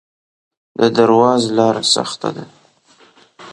د درواز لاره سخته ده